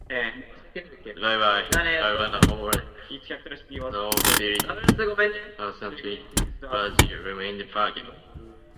However, the Obotrite nobility and peasantry largely remained pagan.